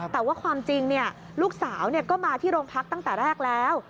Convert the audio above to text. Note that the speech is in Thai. แต่ว่าความจริงลูกสาวก็มาที่โรงพักตั้งแต่แรกแล้ว